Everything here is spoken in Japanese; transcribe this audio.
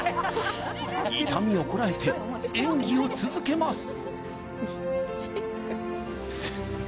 痛みをこらえて演技を続けます